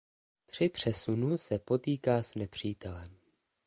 Při přesunu se potýká s nepřítelem.